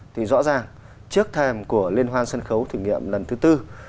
thì rõ ràng trước thêm của liên hoàn sân khấu thử nghiệm lần thứ tư